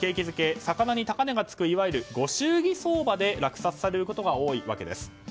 づけ魚に高値がつくいわゆる、ご祝儀相場で落札されることが多いわけです。